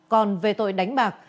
còn về tội đánh bạc